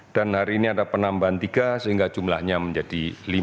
dan hari ini ada penambahan tiga sehingga jumlahnya menjadi lima puluh delapan